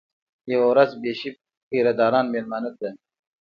یوه ورځ بیشپ پیره داران مېلمانه کړل.